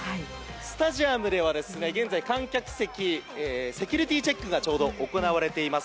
スタジアムでは現在、観客席ではセキュリティーチェックがちょうど行われています。